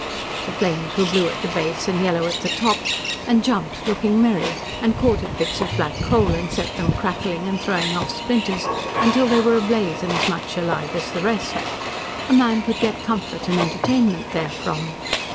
The flames were blue at the base and yellow at the top, and jumped looking merry, and caught at bits of black coal, and set them crackling and throwing off splinters till they were ablaze and as much alive as the rest. A man could get comfort and entertainment therefrom.